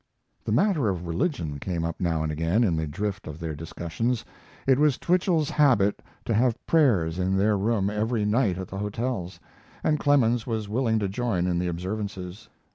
The matter of religion came up now and again in the drift of their discussions. It was Twichell's habit to have prayers in their room every night at the hotels, and Clemens was willing to join in the observances.